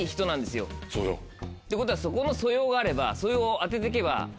そうよ。ってことはそこの素養があればそれを当ててけば。